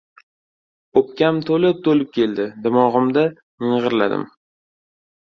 O‘pkam to‘lib-to‘lib keldi. Dimog‘imda ming‘irladim: